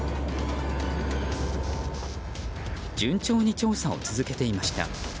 順調に調査を続けていました。